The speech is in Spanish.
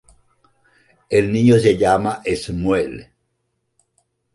El niño se llama Shmuel.